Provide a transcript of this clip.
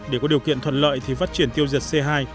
để có điều kiện thuận lợi thì phát triển tiêu diệt c hai